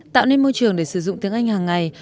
tạo nên môi trường để sử dụng tiếng anh hàng ngày